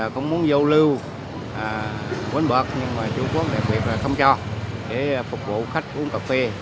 không muốn vô lưu quên bật nhưng mà chủ quán đặc biệt là không cho để phục vụ khách uống cà phê